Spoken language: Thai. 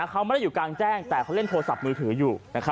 เขาไม่ได้อยู่กลางแจ้งแต่เขาเล่นโทรศัพท์มือถืออยู่